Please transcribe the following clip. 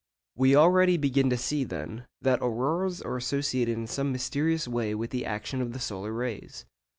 We already begin to see, then, that auroras are associated in some mysterious way with the action of the solar rays.